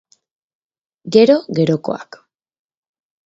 Gero, gerokoak